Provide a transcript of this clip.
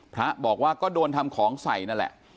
พระบอกว่าก็โดนทำของใส่นั่นแหละ